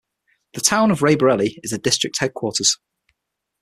The town of Raebareli is the district headquarters.